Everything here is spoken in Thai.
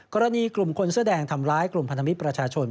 กรณีกลุ่มคนเสื้อแดงทำร้ายกลุ่มพันธมิตรประชาชน